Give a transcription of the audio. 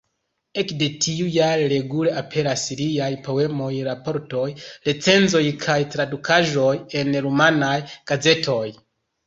Ekde tiu jare regule aperas liaj poemoj, raportoj, recenzoj kaj tradukaĵoj en rumanaj gazetoj.